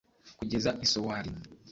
kugeza i Sowari.